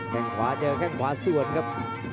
แค่งขวาเจอแค่งขวาส่วนครับ